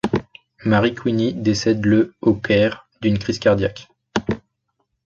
Mary Queeny décède le au Caire, d'une crise cardiaque.